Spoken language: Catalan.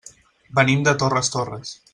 Venim de Torres Torres.